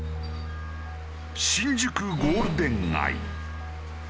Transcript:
新宿ゴールデン街。